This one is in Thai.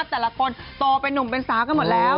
แต่ละคนโตเป็นนุ่มเป็นสาวกันหมดแล้ว